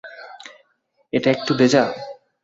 এটা একটু ভেজা?